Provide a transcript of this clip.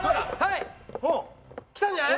きたんじゃない？